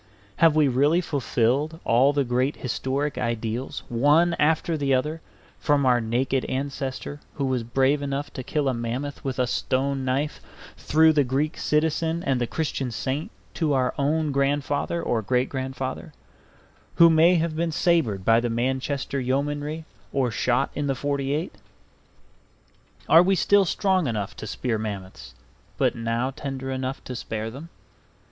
Have we really fulfilled all the great historic ideals one after the other, from our naked ancestor who was brave enough to kill a mammoth with a stone knife, through the Greek citizen and the Christian saint to our own grandfather or great grandfather, who may have been sabred by the Manchester Yeomanry or shot in the '48? Are we still strong enough to spear mammoths, but now tender enough to spare them?